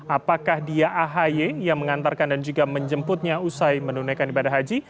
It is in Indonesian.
apakah dia ahy yang mengantarkan dan juga menjemputnya usai menunaikan ibadah haji